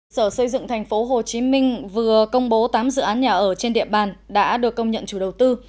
sở xây dựng thành phố hồ chí minh vừa công bố tám dự án nhà ở trên địa bàn đã được công nhận chủ đầu tư